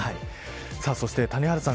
そして、谷原さん